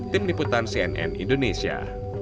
tim liputan cnn indonesia